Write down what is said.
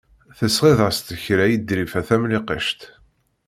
Tesɣiḍ-as-d kra i Ḍrifa Tamlikect.